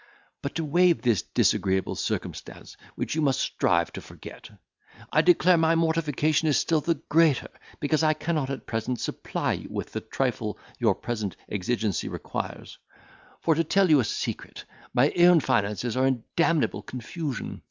But to waive this disagreeable circumstance, which you must strive to forget; I declare my mortification is still the greater, because I cannot at present supply you with the trifle your present exigency requires; for, to tell you a secret, my own finances are in damnable confusion.